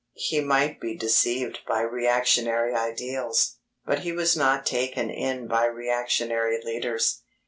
He might be deceived by reactionary ideals, but he was not taken in by reactionary leaders.